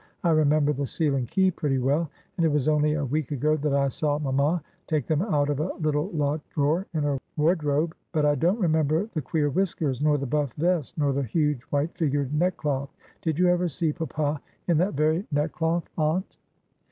I remember the seal and key, pretty well; and it was only a week ago that I saw mamma take them out of a little locked drawer in her wardrobe but I don't remember the queer whiskers; nor the buff vest; nor the huge white figured neckcloth; did you ever see papa in that very neckcloth, aunt?"